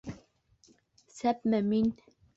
- Сәпме мин?!